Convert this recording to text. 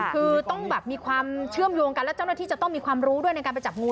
คือต้องแบบมีความเชื่อมโยงกันแล้วเจ้าหน้าที่จะต้องมีความรู้ด้วยในการไปจับงู